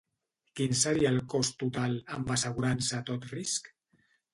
Quin seria el cost total, amb assegurança a tot risc?